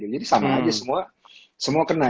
jadi sama aja semua kena